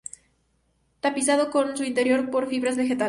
Tapizado en su interior con fibras vegetales.